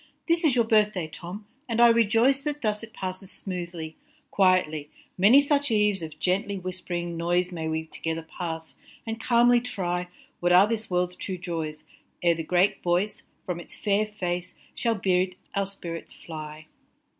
This is your birth day Tom, and I rejoice That thus it passes smoothly, quietly. Many such eves of gently whisp'ring noise May we together pass, and calmly try What are this world s true joys, ere the great voice, From its fair face, shall bid our spirits fly.